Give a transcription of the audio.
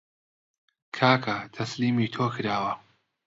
کاکە تەسلیمی تۆ کراوە